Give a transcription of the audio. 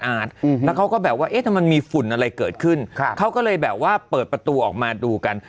แล้วเขาก็แบบว่าเอ๊ะทำไมมีฝุ่นอะไรเกิดขึ้นเขาก็เลยแบบว่าเปิดประตูออกมาดูกัน